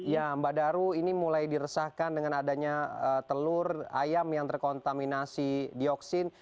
ya mbak daru ini mulai diresahkan dengan adanya telur ayam yang terkontaminasi dioksin